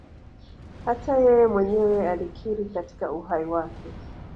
Hata yeye mwenyewe alikiri katika uhai wake